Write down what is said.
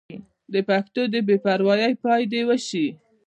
د پښتو د بې پروايۍ پای دې وشي.